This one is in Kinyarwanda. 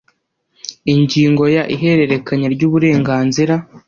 Ingingo ya Ihererekanya ry uburenganzira